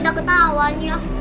tapi kita ketahuan ya